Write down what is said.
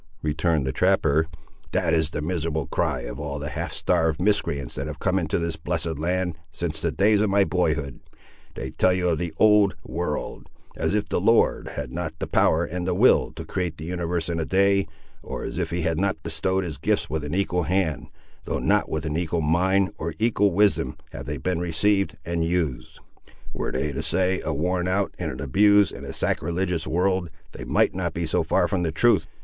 retorted the trapper, "that is the miserable cry of all the half starved miscreants that have come into this blessed land, since the days of my boyhood! They tell you of the Old World; as if the Lord had not the power and the will to create the universe in a day, or as if he had not bestowed his gifts with an equal hand, though not with an equal mind, or equal wisdom, have they been received and used. Were they to say a worn out, and an abused, and a sacrilegious world, they might not be so far from the truth!"